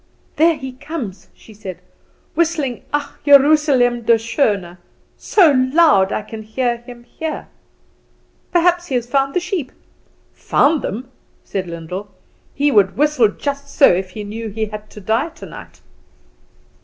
"There he comes," she said, "whistling 'Ach Jerusalem du schone' so loud I can hear him from here." "Perhaps he has found the sheep." "Found them!" said Lyndall. "He would whistle just so if he knew he had to die tonight."